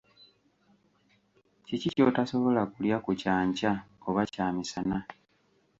Kiki ky'otasobola kulya ku kyankya oba kyamisana?